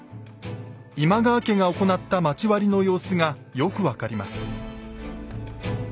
今川家が行った町割の様子がよく分かります。